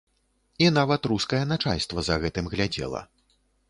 І нават рускае начальства за гэтым глядзела.